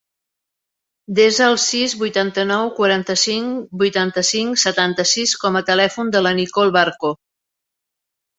Desa el sis, vuitanta-nou, quaranta-cinc, vuitanta-cinc, setanta-sis com a telèfon de la Nicole Barco.